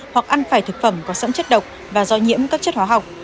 hoặc ăn phải thực phẩm có sẵn chất độc và do nhiễm các chất hóa học